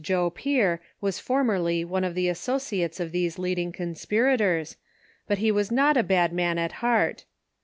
Joe Pier was formerly one of the associates of these leading conspirators, but he was not a bad man at heart.